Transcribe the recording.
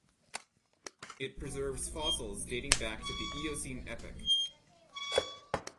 It preserves fossils dating back to the Eocene epoch.